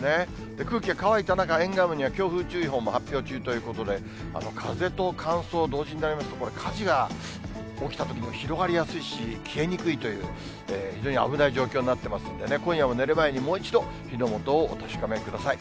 空気が乾いた中、沿岸部には強風注意報も発表中ということで、風と乾燥、同時になりますと、これ、火事が起きたときに広がりやすいし、消えにくいという、非常に危ない状況になってますんでね、今夜も寝る前に、もう一度火の元をお確かめください。